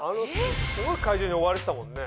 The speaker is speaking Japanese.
すごい怪獣に追われてたもんね。